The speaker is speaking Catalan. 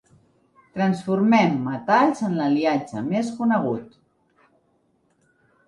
Transformem metalls en l'aliatge més conegut.